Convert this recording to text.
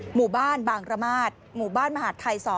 หมู่บ้านบางระมาทหมู่บ้านมหาดไทย๒